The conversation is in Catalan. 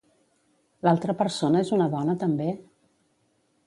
L'altra persona és una dona també?